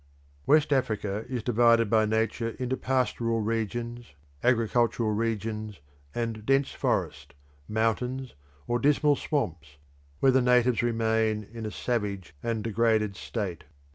West Africa is divided by nature into pastoral regions, agricultural regions, and dense forest, mountains, or dismal swamps, where the natives remain in a savage and degraded state.